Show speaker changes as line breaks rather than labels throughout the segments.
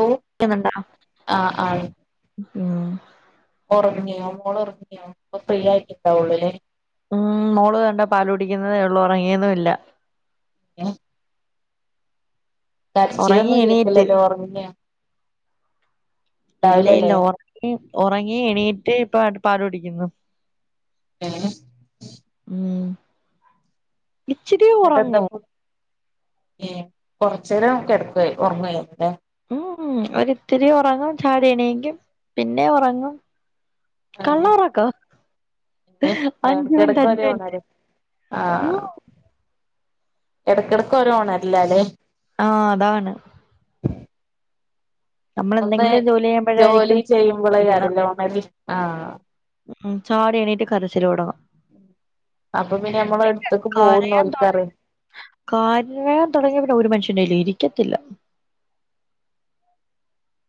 ഓ
ക്കുന്നുണ്ടാ
ആഹ് ആഹ്
ഉം
ഒറങ്ങിയോ മോള് ഒർങ്ങിയോ പ്പൊ ഫ്രീ ആയിട്ട് ണ്ടാവോള്ളൂ ലെ
ഉം മോള് ദേണ്ട പാലൂ ടിക്ക്ന്നതെ ള്ളു ഒറങ്ങിയതു ഇല്ല ഉറങ്ങി
കര്ച്ചിലൊന്നു
എണീറ്റ്
കേക്കില്ലല്ലോ ഓർങ്യോ ട്ടാവ് ലലേ
ഒറങ്ങി എണീറ്റ് ഇപ്പട് പാലു ടിക്കുന്നു
ഏ
ഉം ഇച്ചിരി ഉറങ്ങും
ങ്ങട്ട്ന്തപ്പ് എ കൊർച്ചേരം കെട്കുവെ ഒർങ്ങുവ ന്നെ
ഉം ഒരിത്തിരി ഒറങ്ങും ചാടി എണീക്കും പിന്നെ ഒറങ്ങും കള്ള
ആഹ്
ഒറക്ക
ഏഹ്
അഞ്ചു മിൻറ്റ്
ഇടക്കിടക്ക്
അഞ്ചു
ഒരു
മിൻറ്റ്
ഉണരൽ
ഉ
എട്ക്കെടക്ക് ഓരോ ണര്ല്ലാലേ
ആഹ് അതാണ്
ഒന്ന്
നമ്മളെന്തെങ്കിലും ജോലി ചെയ്യുമ്പോഴായിരിക്കും
ജോലി
ക്കുന്നെ
ചെയ്യുമ്പൊളക്കാരലെ ഒണരൽ ആഹ്
ഉം ചാടി എണീട്ട് കരച്ചില് തൊടങ്ങും
അപ്പൊ നമ്മളെ
പിന്നെ
അടുത്തേക്ക്
കരയാൻ തൊ [inaudible]
പോകുന്നോൽക്കറിയാം
കാരയാൻ തൊടങ്ങിയ പിന്നെ ഒരു മനുഷ്യന്റെല് ഇരിക്ക ത്തില്ല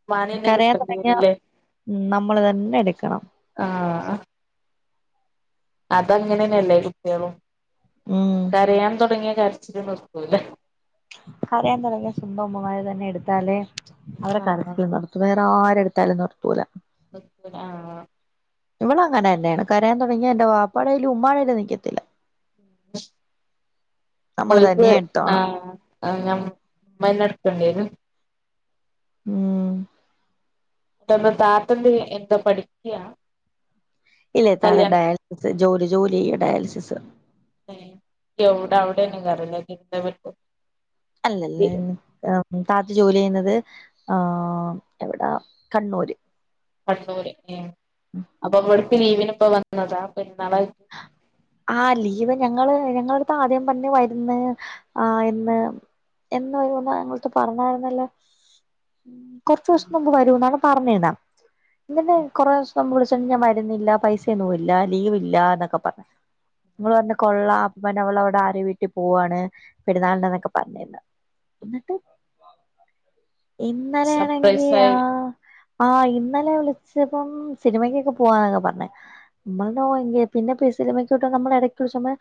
ഉമ്മാനെന്നെ
കരയാൻ
കിട്ടേണ്ടി
തൊടങ്ങിയ
വരൂല്ലേ
ഉം നമ്മള് തന്നെ എടുക്കണം
അത് അങ്ങനെ ന്നല്ലേ കുട്ട്യളും
ഉം
കരയാൻ തുടങ്ങിയ കര്ചിൽ നിർത്തൂല
കരയാൻ തൊടങ്ങിയ സ്വന്തമ്മമാര് തന്നെ എടുത്താലേ അവരെ
ആഹ്
കരച്ചില് നിർത്തൂ താ ആരെ എടുത്താലും നിർത്തൂല്ല.
നിക്കൂല്ല ആഹ്
ഇവള് അങ്ങനെ തന്നെയാണ് കരയാൻ തൊടങ്ങിയ എന്റെ വാപ്പാടെ കൈയിലും ഉമ്മാടെ കയ്യിയിലും നിക്കത്തില്ല. നമ്മള് തന്നെ
ഓലുക്ക്
എടുത്തോണം
ആഹ് നമ്മ ഉമ്മന്നെടക്കേണ്ടിരും
ഉം
പെട്ടന്ന് താത്തയെന്തിന്ന് പഠിക്യാ.
ഇല്ല താത്ത ഡയാലിസിസ്. ജോലി ജോലി ഡയാലിസിസ്.
എവിടെ അവിടെ. [unintelligible]
അല്ലല്ല താത്ത ജോലി ചെയ്യുന്നത്. ആഹ് എവിടെ കണ്ണൂര്.
കണ്ണൂര് ഏഹ് അപ്പൊ അവള് പ്പ ലീവിന് ഇപ്പൊ വന്നതാ [unintelligible]
ആ ലീവ് ഞങ്ങള് ഞ ങ്ങളടുത്ത് ആദ്യം പറ്ഞ്ഞ് വര്ന്ന് ആ എന്ന് എന്നൊ എന്നാ ഞങ്ങളട്ത്ത് പറഞ്ഞായിരുന്നല്ലോ
ഉം
കൊറ്ച്ചോസ്ത്തിന് മുമ്പ് വരൂന്നാണ്ല്ലൊ പറ്ഞ്ഞിടാം ഇന്നലെ കൊറോഷ [unintelligible] വരുന്നില്ല പൈസെന്നുല്ല ലീവ് ഇല്ല ന്നൊക്കെ പറഞ്ഞ്. ഇങ്ങള് പറഞ്ഞ് കൊള്ളാം അപ്പ പിന്നെ അവള് ആരെ വീട്ടി പോവാണ് പെരുന്നാളിന്റന്നൊക്കെ പറഞ്ഞിര്ന്ന് ഇന്നിട്ട് ഇന്നലെയാണെങ്കി
സർപ്രൈസായി
ആ ആ ഇന്നലെ വിളിച്ചപ്പം സിനിമക്കൊക്കെ പോവാന്നാ പറ്ഞ്ഞെ [unintelligible] പിന്നെ പി സിലിമകൊക്കെ നമ്മള് എടക്ക് സുമെ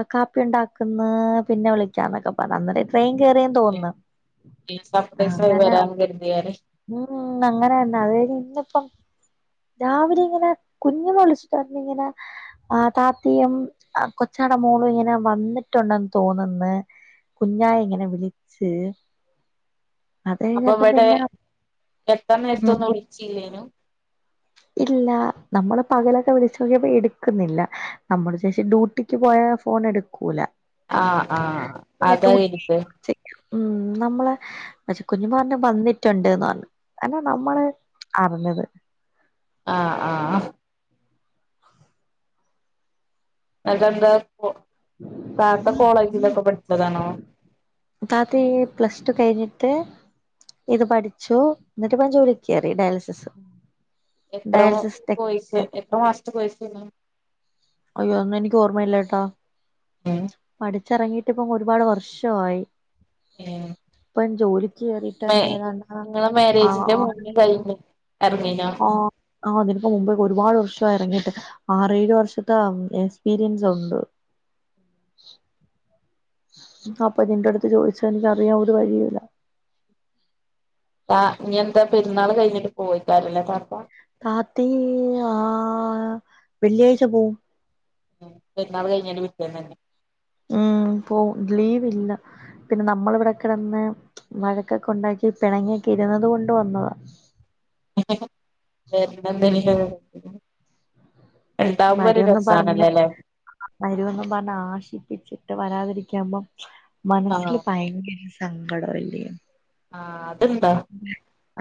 ആ കാപ്പിയുണ്ടാക്ക്ന്ന് പിന്നെ വിളിക്കാന്നൊക്കെ പറ അന്നേര ട്രെയിൻ കേറിയെന്ന് തോന്ന്ന്ന് ആ
സർപ്രൈസായി
അങ്ങനെ
വരാന്ന് കരുതിയാല്
ഉം അങ്ങനെന്നെ അത്കഴിഞ്ഞ് ഇന്ന് പ്പം രാവിലെങ്ങനെ കുഞ്ഞമ്മ വിളിച്ച്ട്ട് പറഞ്ഞ്ങ്ങനെ ആദാത്യം ആ കൊച്ചാടമോള് ഇങ്ങനെ വന്നിട്ടുണ്ടെന്ന് തോന്ന്ന്ന് കുഞ്ഞാ ഇങ്ങനെ വിളിച്ച് അത് കഴിഞ്ഞപ്പോ
അപ്പോവടെ
പിന്നെ ഉം
എത്താനേരത്തൊന്നു വിളിച്ചില്ലേനു
ഇല്ല നമ്മള് പകലൊക്കെ വിളിച്ചോക്കിയപ്പൊ എട് ക്കുന്നില്ല നമ്മള് വിചാരിച് ഡ്യൂട്ടിക്ക് പോയാ ഫോണെടുക്കൂല
ആഹ് ആഹ് അതാ ഇരിപ്പ്
ചെയ്യും ഉം നമ്മളെ പക്ഷെ കുഞ്ഞിമ്മ പറഞ്ഞ് വന്നിട്ടുണ്ട് എന്ന് പറഞ്ഞ് അല്ല നമ്മള് അറിഞ്ഞത്
ആ ആഹ് ആ അത് എന്താ താത്ത കോളേജിലൊക്കെ പഠിച്ചതാണോ
താത്തി പ്ലസ് ടു കഴിഞ്ഞിട്ട് ഇത് പഠിച്ചു എന്നിട്ട്പ്പം ജോലിക്കേറി ഡയാലിസ്
എത്ര കോഴ്സ്
ടെക്നീഷ്യൻ
എത്ര മാസത്തെ കോഴ്സാണ്
അയ്യോ ഒന്നും എനിക്ക് ഓർമ്മയില്ലട്ടോ
ഉം
പഠിച്ചു ഇറങ്ങിയിട്ട് ഇപ്പം ഒരുപാട് വർഷയയായി ഇപ്പം ജോലിക്ക് കേയറിട്ട്
മേ
തന്നെ ഏതാണ്ട്
നിങ്ങളെ
ആ
മാരേജിന്റെ
ആ
മുന്നേ കഴിഞ്ഞ് ഇറങ്ങീനോ
ആ ആ അതിനേക്കേ മുമ്പോക്കെ ഒരുപാട് വർഷം എറങ്ങിട്ട് ആറേഴ് വർഷത്തെ ആ എക്സ്പീരിയൻസ് ഒണ്ട് അപ്പം നിന്റെ അടുത്ത് ചോദിച്ചാ എനിക്ക് അറിയാൻ ഒര് വഴിയുമില്ല
ആ നീ എന്താ പെര്ന്നാള് കഴിഞ്ഞിട്ട് പോയിക്കാലല്ലേ [unintelligible]
കാത്തി ആാ വെള്ളിയാഴ്ച പോവും
ഉം പെരുന്നാള് കഴിഞ്ഞേൻ്റെ പിറ്റേന്ന് തന്നെ
ഉം പോവും ലീവില്ലാ പിന്നെ നമ്മള് ഇവടെക്കെ തന്നെ വഴക്കൊക്കെ ഒണ്ടാക്കി പെണങ്ങിക്കെ ഇരുന്നത് കൊണ്ട് വന്നതാ
[unintelligible] ഒരു
വെരുന്ന് പറഞ്ഞ്
രസാണല്ലോല്ലേ
ആശിപ്പിച്ച് എന്നിട്ട് വെരിതിരിക്കുമ്പോൾ
ആഹ്
മനസ്സില്ല് ഭയങ്കര സങ്കടമല്ലിയോ
ആാ എന്താ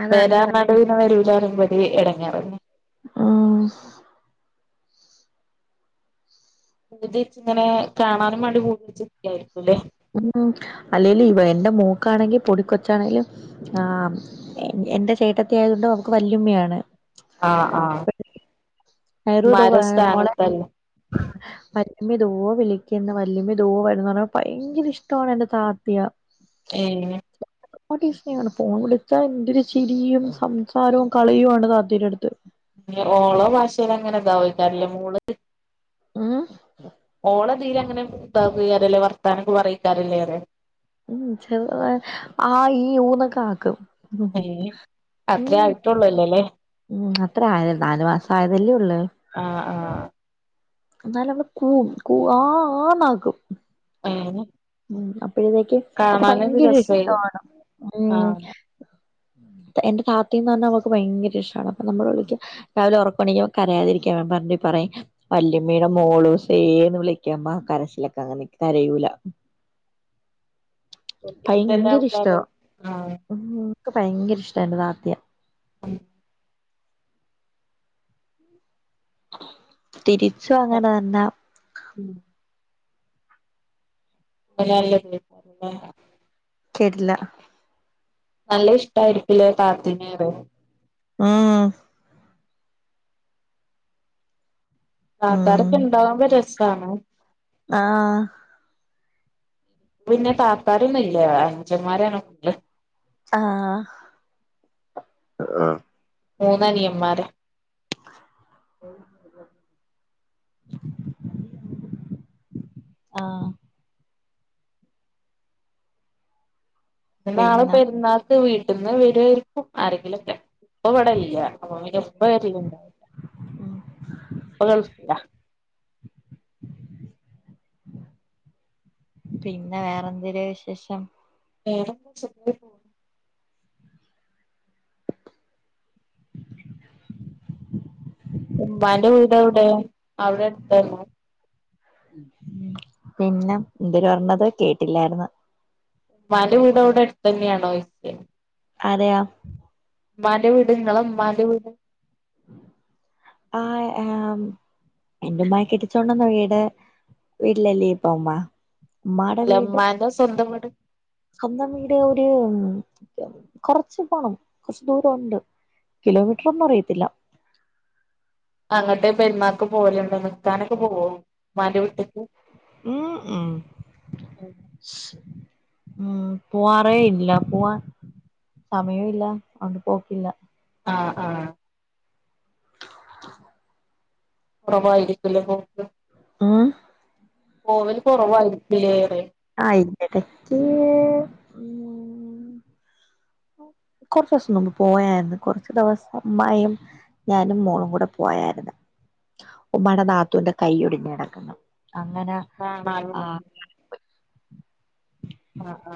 അതാണ് ഇവിടെ
വേരാനടുവിന് വരൂല്ല്യാ ഇവടെ എടങ്ങോറ്
ആാ
[unintelligible] ഇതിൽ കാണാനും വേണ്ടി [unintelligible]
ഉം അല്ലെലും ഇവ എൻ്റെ മേക്കാണെങ്കിൽ പൊടിക്കൊച്ചാണെങ്കിലും ആ എന്റെ ചേട്ടത്തി ആയത്കൊണ്ട് അവക്ക് വല്ല്യാമ്മയാണ്
ആാ ആാ
[unintelligible] ഉമ്മി ദോ വിളിക്ക്ന്ന് വല്ല്യായുമ്മി ദോ വരുന്ന് പറയുമ്പോ ഭയങ്കര ഇഷ്ടമാണ് എന്റെ താത്തിയ
ഏ
നാണ് ഫോൺ വിളിച്ചാ എന്തൊര് ചിരിയും സംസാരവും കളിയുമാണ് താത്തിടെത്ത്
ഒളോ ഭാഷേലിങ്ങനക്കാ
ഉം
[unintelligible] ഇതിൽ അങ്ങനെ [unintelligible] വർത്താനൊക്കെ പറക്കാരല്ലേ അവര്
ഉം ചെറ്താ ആ ഈ ഊ ന്നൊക്കെ ആക്കും ഉം
ഏഹ് അത്രേ
ഉം
ആയിട്ടുള്ളൂല്ലല്ലേ
ഉം അത്ര ആയത് നാല് മാസ ആയതല്ലേ ഒള്ള്
ആഹ് ആഹ്
എന്നാല് അവള് കൂവും കൂ ആ ആന്ന് ആക്കും
ഏഹ്
ഉം അപ്പഴതേക്കും അവക്ക്
കാണാനൊരു
ഭയങ്കര
രസേനു
ഇഷ്ടാണ് ഉം
ആഹ്
എന്റെ താത്തേന്ന് പറഞ്ഞാ അവക്ക് ഭയങ്കര ഇഷ്ടമാണ്, അപ്പം നമ്മള് വിളിക്കും രാവിലെ ഒറക്കെണിക്കുമ്പോ കരയാതിരിക്കാൻ പറഞ്ഞ് പറയും വല്ല്യമ്മേടെ മോളൂസേ എന്ന് വിളിക്കുമ്പം ആ കരച്ചിലൊക്കെ അങ്ങ് നിക്കും കരയൂല്ല
ഓലിക്ക് ഇഷ്ടള്ള ആൾക്കാരെ ആ
എനിക്ക് ഭയങ്കര ഇഷ്ടാ എൻ്റെ താത്തിയെ
ഉം
തിരിച്ചും അങ്ങനെ തന്നാ
[unintelligible] ഏ
കേട്ടില്ല
നല്ല ഇഷ്ടായിരിക്കും ല്ലേ താത്തെന്നെ പറയാ
ആ ആ
താത്താരൊക്കെ ഇണ്ടാവുമ്പോ രസാണ്
ആ ആ
ക്ക് പിന്നെ താത്താരൊന്നും ഇല്ല അനുജന്മാരാണ് ഫുള്ള്
ആ ആ
മൂന്നനിയന്മാര്
ആ
[unintelligible]
പിന്നെ
പെരുന്നാള് ഇത് വീട്ട്ന്ന് വരുവായിരിക്കും ആരെങ്കിലുവൊക്കെ ഇപ്പ ഇവിടില്ല അപ്പപ്പിന്നെ ഉപ്പ വരില്ലല്ലോ,
ഉം
ഉപ്പ ഗൾഫിലാ
പിന്നെ വേറെന്തെര് വിശേഷം
വേറെന്താ സുഖായി പോകുന്നു ഉമ്മാന്റെ വീട് എവിടെ അവിടെ അടുത്താണോ
പിന്നെ എൻതര് പറഞ്ഞത് കേട്ടില്ലായിര്ന്ന്
ഉമ്മാന്റെ വീടവിടെ അടുത്തെന്നെയാണോ ചോയിക്കാ
അതെയോ
നിങ്ങള ഉമ്മാന്റെ വീട്
ആ ഏഹ് എന്റുമ്മായെ കെട്ടിച്ചോണ്ട് വന്ന വീട് വീട്ടിലല്ലേ ഇപ്പോ ഉമ്മ മ്മാടെ
അല്ല
വീട്
ഉമ്മാന്റെ സ്വന്തം വീട്
സ്വന്തം വീട് ഒരു കൊറച്ച് പോണം കൊറച്ച ദൂരൊണ്ട് കിലോമീറ്റർ ഒന്നും അറിയത്തില്ല
അങ്ങട്ട് പെരുന്നാക്ക് പോകലുണ്ടോ നിക്കാനൊക്കെ പോകുവോ ഉമ്മാന്റെ വീട്ട്ക്ക്
ഉം ഉം ഉം പൂവാറേ ഇല്ല പോവാൻ സമയവും ഇല്ല അതൊണ്ട് പോക്കില്ല
ആ ആ കുറവായിരിക്കും ല്ലേ പോക്ക്
മ്മ്
പോവല് കുറവായിരിക്കുല്ലേ പറെയാ
ആ ഇടക്ക് ഉ കുറച്ച ദിവസം മുമ്പ് പോയായിരുന്നു കുറച്ചു ദിവസം ഉമ്മായും ഞാനും മോളും കൂടെ പോയായിരുന്നു ഉമ്മാടെ നാത്തൂന്റെ കൈ ഒടിഞ്ഞ് കെടക്കുന്നു അങ്ങനെ
കാണാനും
ആ
ആ ആ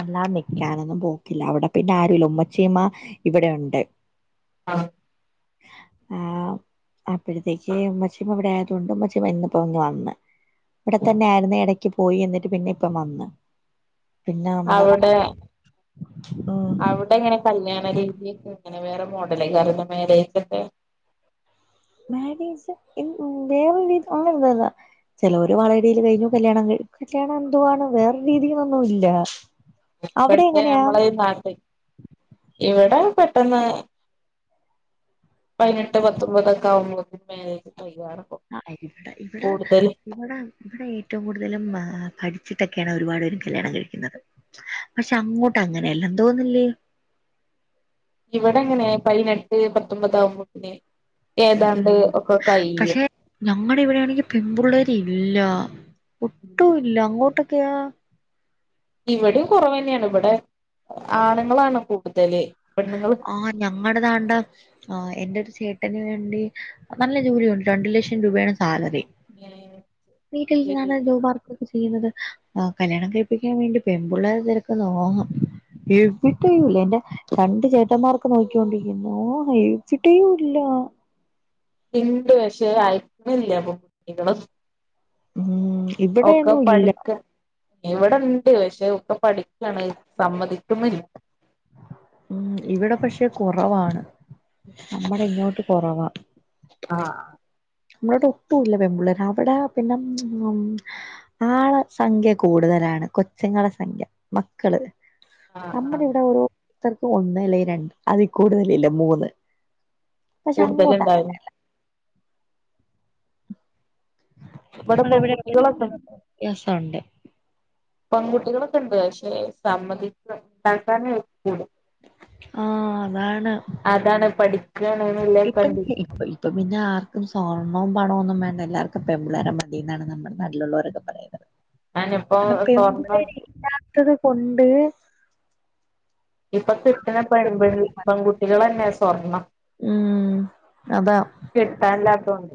അല്ലാ നിക്കാനൊന്നും പോക്കില്ല അവിടെ പിന്നെ ആരുല്ല ഉമ്മച്ചിമ്മ ഇവിടെ ഉണ്ട്
ആ
ആ അപ്പഴത്തേക്ക് ഉമ്മച്ചീമ്മ ഇവിടെ ആയതൊണ്ട് ഉമ്മച്ചീമ്മ ഇന്നിപ്പോ ഇന്ന് വന്ന് ഇവിടെത്തന്നൊയിരുന്നു ഇടക്ക് പോയി എന്നിട്ട് പിന്നെ ഇപ്പ വന്ന് പിന്നെ നമ്മള്
അവിടെ
ഉം
അവിടെ എങ്ങനെ കല്യാണ രീതിയക്കെ? പിന്നെ വേറെ മോഡലാ [unintelligible] മേര്യേജൊക്കെ?
മേര്യേജ് ഇൽ വേറെ രീതി അങ്ങനൊന്നുല്ല ചെലോര് വളയിടീല് കഴിഞ്ഞു കല്യാണം കഴിക്കു കല്യാണം എന്തുവാണ് വേറെ രീതീലൊന്നു ഇല്ലാ
പെട്ടേ നമ്മള ഈ നാട്ടിൽ ഇവിടെ പെട്ടെന്ന് പതിനെട്ട് പത്തൊമ്പതൊക്കെ ആവുമ്പോക്കും മാര്യേ
ആ ഇവിടെ ഇവിടെ ഇവിടെ ഇവിടെ ഏറ്റവും കൂടുതലും ബ ആഹ് പഠി [inaudible] ച്ചിട്ടൊക്കെയാണ് ഒരുപാട് പേരും കല്യാണം കഴിക്കുന്നത് പക്ഷെ അങ്ങോട്ട് അങ്ങനെയല്ലന്ന് തോന്നില്ലേ
ഇവിടെ എങ്ങനെ പതിനെട്ട് പത്തൊമ്പതാവ്ത്തിന്
ഉം ഉം. പക്ഷെ ഞമ്മടെ ഇവിടെയാണെങ്കി പെമ്പുള്ളേരിൽ ഇല്ലാ ഒട്ടും ഇല്ല. അങ്ങോട്ട് [inaudible]
ഇവിടെയും കുറവന്നെയാണ്. ഇവിടെ ആണ്ങ്ങളാണ് കൂടുതല്. പെണ്ണുങ്ങള്
ആഹ് ഞങ്ങടതാണ്ടെ, ആഹ് എന്റെ ഒരു ചേട്ട്- ട്ടന് വേണ്ടി, നല്ല ജോലിയുണ്ട്. രണ്ടു ലക്ഷം രൂപയാണ് സ്
ഏഹ്
വീട്ടിലിര്ന്നാണ് വ് വർക്കൊക്കെ ചെയ്യ്ന്നത് ഈഹ് കല്യാണം കഴിപ്പിക്കാൻ വേണ്ടി പെമ്പിള്ളേരെ തെരക്ക്ന്ന് ഓങ്ങ്. എവിടെയുല്ല എന്റെ രണ്ട് ചേട്ടന്മാർക്ക് നോക്കിക്കൊണ്ടിരിക്കുന്നു. ഓ ഹെഴിച്ചിട്ടേ ഇല്ല
ഇണ്ട് പക്ഷേ, അയക്കുന്നില്ല പെൺകുട്ടികളെയൊന്നും
ഊം ഇവിടെയൊന്നു ഇല്ല
ഇവിടെണ്ട് പക്ഷെ ഒക്കെ പഠിക്കയാണ് സമ്മതിക്കുന്നില്ല
ഉം ഇവിടെ പക്ഷെ കുറവാണ് നമ്മടെ ഇങ്ങോട്ട് കൊറവാ
ആഹ്
ഇങ്ങോട്ടൊക്കെ വല്ല്യ പെമ്പിള്ളേരാ. അവിടെ പിന്നെ ഉം ആ സംഖ്യ കൂടുതലാണ്കൊച്ചുങ്ങളെ സംഖ്യ മക്കള്
ആഹ് ആഹ്
നമ്മുടെ ഇവിടെ ഒരു [inaudible] ക്ക് ഒന്ന് അല്ലെങ്കിൽ രണ്ട് അതിൽ കൂടുതലില്ല മൂന്ന് പക്ഷെ
കൂടുതലുണ്ടാവും
അങ്ങോട്ടങ്ങനെയല്ല
ഇവിടെ പെൺകുട്ടികളൊക്കെ
[inaudible] തണ്ട്
പെൺകുട്ടികളൊക്കെ ഉണ്ട് പക്ഷെ സമ്മതി ഉണ്ടാക്കാനേൂള അതാണ് പഠി
ഇപ്പൊ ഇപ്പൊ പിന്നെ ആർ പം സ്വർണ്ണം പണവൊന്നും വേണ്ട എല്ലാർക്കും പെമ്പിള്ളേരെ മതീന്നാണ് നമ്മള് നാട്ടിലുള്ളോരൊക്കെ
ഞാനിപ്പോ
പറയുന്നത്
സ്വർണം
കൊണ്ട്
ഇപൊ കിട്ട്ണ പെൺപിൾ പെൺകുട്ട്യാളന്നെ സ്‌കൂ സ്വർണം
ഉം അതാ
കിട്ടാല്ലാത്തോണ്ട്